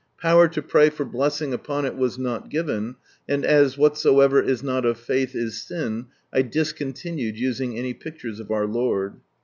Power to pray for blessing upon it was not given, and as " whatsoever is not of faith is sin," 1 discontinued using any pictures of our Lord.